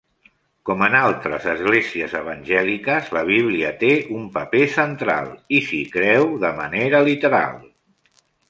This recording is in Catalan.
Com en altres esglésies evangèliques, la Bíblia té un paper central i s'hi creu de manera literal.